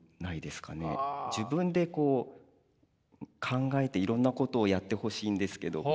自分でこう考えていろんなことをやってほしいんですけど。